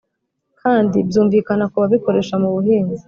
kandi byumvikana ku babikoresha mubuhinzi